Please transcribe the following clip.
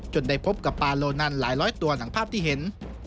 ได้พบกับปาโลนันหลายร้อยตัวหนังภาพที่เห็น